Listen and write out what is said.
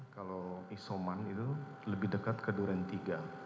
kalau isoman itu lebih dekat ke duren tiga